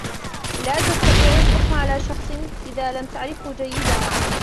لا تستطيع الحكم على شخص إن لم تعرفه جيدا.